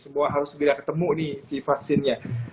semua harus segera ketemu nih si vaksinnya